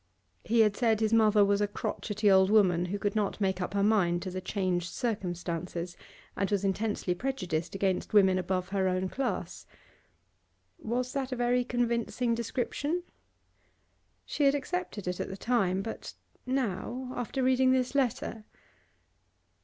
He had said his mother was a crotchety old woman who could not make up her mind to the changed circumstances, and was intensely prejudiced against women above her own class. Was that a very convincing description? She had accepted it at the time, but now, after reading this letter